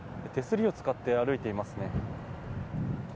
手すりを使って歩いていますね。